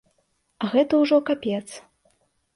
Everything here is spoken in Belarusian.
А гэта ўжо капец.